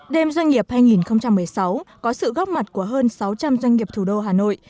đêm doanh nghiệp hai nghìn một mươi sáu có sự góp mặt của hơn sáu trăm linh doanh nghiệp thủ đô hà nội